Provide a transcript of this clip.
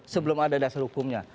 sebelum ada dasar hukumnya